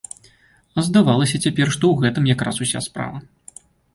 А здавалася цяпер, што ў гэтым якраз уся справа.